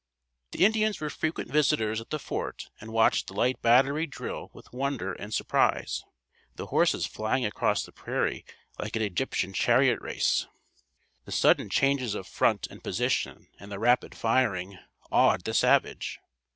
The Indians were frequent visitors at the fort and watched the Light Battery drill with wonder and surprise. The horses flying across the prairie like an Egyptian chariot race, the sudden changes of front and position, and the rapid firing, awed the savage.